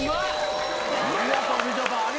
ありがとうみちょぱ！